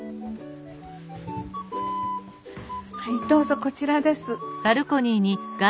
はいどうぞこちらです。